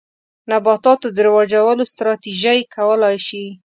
نباتاتو د رواجولو ستراتیژۍ کولای شي.